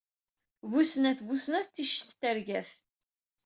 Bu snat bu snat, tict treg-at.